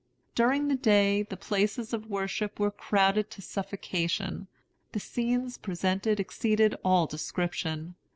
During the day, the places of worship were crowded to suffocation. The scenes presented exceeded all description.